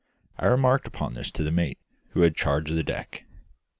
I remarked upon this to the mate, who had charge of the deck.